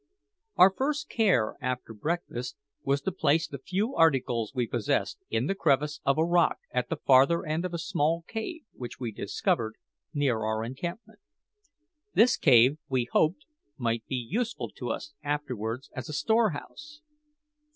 Our first care, after breakfast, was to place the few articles we possessed in the crevice of a rock at the farther end of a small cave which we discovered near our encampment. This cave, we hoped, might be useful to us afterwards as a storehouse.